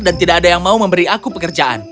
dan tidak ada yang mau memberi aku pekerjaan